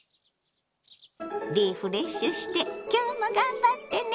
リフレッシュして今日も頑張ってね！